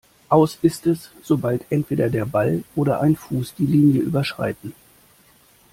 Aus ist es, sobald entweder der Ball oder ein Fuß die Linie überschreiten.